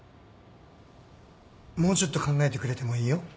もうちょっと考えてくれてもいいよ。